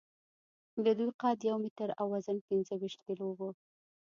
د دوی قد یو متر او وزن پینځهویشت کیلو و.